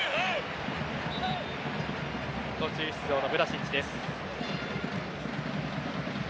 途中出場のヴラシッチです。